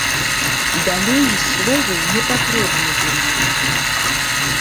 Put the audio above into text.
Далей словы непатрэбны былі.